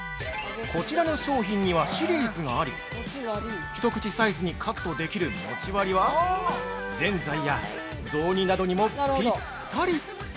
◆こちらの商品にはシリーズがあり一口サイズにカットできるモチワリは、ぜんざいや雑煮などにもぴったり。